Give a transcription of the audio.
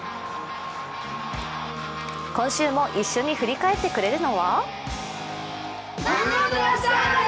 今週も一緒に振り返ってくれるのは？